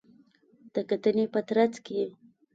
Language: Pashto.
د کتنې په ترڅ کې